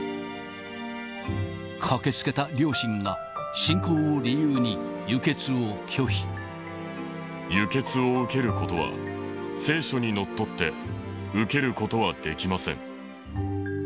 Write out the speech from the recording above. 駆けつけた両親が、輸血を受けることは、聖書にのっとって、受けることはできません。